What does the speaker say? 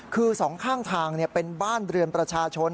คือสองข้างทางเป็นบ้านเรือนประชาชน